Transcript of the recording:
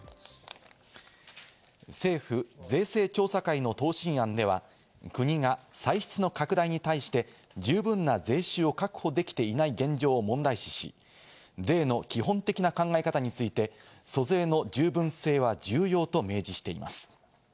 政府税制調査会の答申案では、国が歳出の拡大に対して十分な税収を確保できていない現状を問題視し、税の基本的な考え方について、租税の十分性は重要と明示しています。